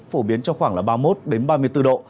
phổ biến trong khoảng là ba mươi một ba mươi bốn độ